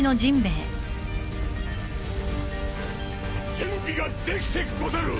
準備ができてござる！